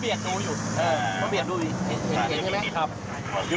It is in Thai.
เปรียบพี่จะล้มอ่ะนายลุงของรองเท้า